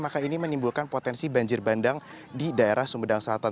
maka ini menimbulkan potensi banjir bandang di daerah sumedang selatan